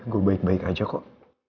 gue baik baik aja kok